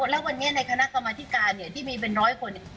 แล้ววันนี้ในคณะกรรมธิการที่มีเป็นร้อยคน